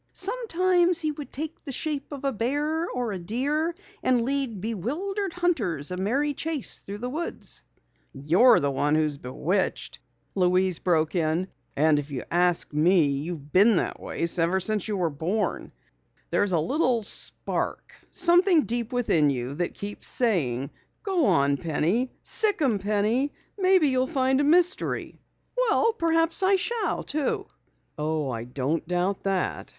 Sometimes he would take the shape of a bear or a deer and lead bewildered hunters a merry chase through the woods." "You're the one who is bewitched," Louise broke in. "And if you ask me, you've been that way ever since you were born. There's a little spark something deep within you that keeps saying: 'Go on, Penny. Sic 'em, Penny! Maybe you'll find a mystery!'" "Perhaps I shall too!" "Oh, I don't doubt that.